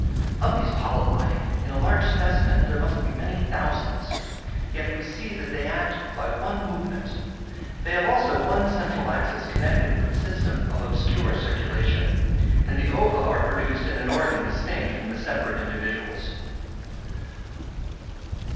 Of these polypi, in a large specimen, there must be many thousands; yet we see that they act by one movement: they have also one central axis connected with a system of obscure circulation, and the ova are produced in an organ distinct from the separate individuals.